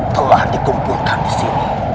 telah dikumpulkan disini